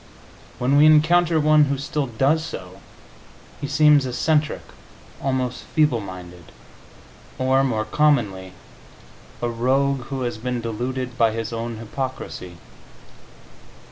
When we encounter one who still does so, he seems eccentric, almost feeble minded or, more commonly, a rogue who has been deluded by his own hypocrisy.